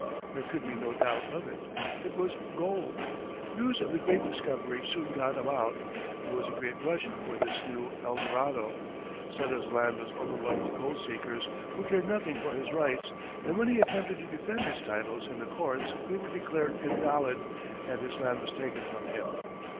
There could be no doubt of it it was gold! News of the great discovery soon got about; there was a great rush for this new Eldorado; Sutter's land was overrun with gold seekers, who cared nothing for his rights, and when he attempted to defend his titles in the courts, they were declared invalid, and his land was taken from him.